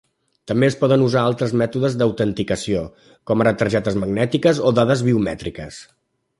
També es poden usar altres mètodes d'autenticació, com ara targetes magnètiques o dades biomètriques.